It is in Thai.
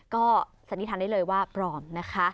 ก็สันนิษฐานได้เลยว่าปลอมนะคะ